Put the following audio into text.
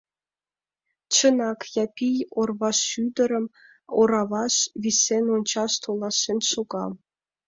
Чынак, Япий орвашӱдырым ораваш висен ончаш толашен шога.